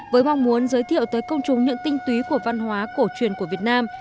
với mong muốn giới thiệu tới công chúng những tinh túy của văn hóa cổ truyền của việt nam